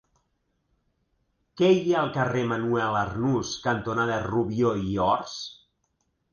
Què hi ha al carrer Manuel Arnús cantonada Rubió i Ors?